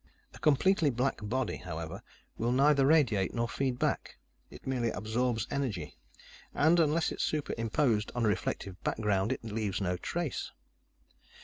A completely black body, however, will neither radiate nor feed back. It merely absorbs energy and, unless it's super imposed on a reflective background, it leaves no trace.